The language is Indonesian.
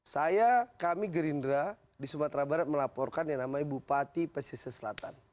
saya kami gerindra di sumatera barat melaporkan yang namanya bupati pesisir selatan